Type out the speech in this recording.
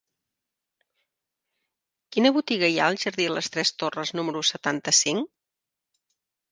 Quina botiga hi ha al jardí de les Tres Torres número setanta-cinc?